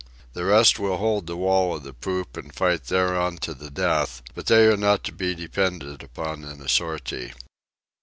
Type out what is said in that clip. The rest will hold the wall of the poop and fight thereon to the death, but they are not to be depended upon in a sortie.